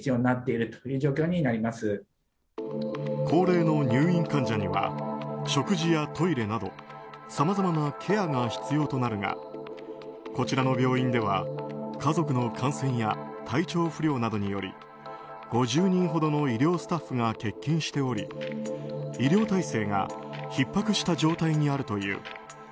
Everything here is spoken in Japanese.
高齢の入院患者には食事やトイレなどさまざまなケアが必要となるがこちらの病院では家族の感染や体調不良などにより５０人ほどの医療スタッフが欠勤しており医療体制がひっ迫した状態にあるという。